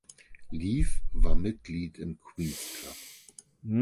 Leaf war Mitglied im Queen’s Club.